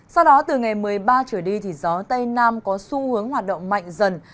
sau đó từ ngày một mươi ba trở đi gió tây nam có xu hướng hoạt động mạnh dần